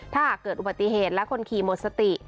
ถ้าหากเกิดอุบัติเหตุและคนขี่หมดสติ